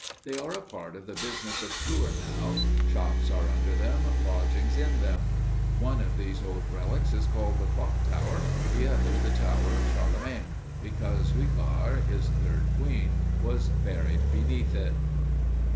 They are a part of the business of Tours now. Shops are under them, lodgings in them. One of these old relics is called the clock tower, the other, the tower of Charlemagne, because Luitgard, his third queen, was buried beneath it.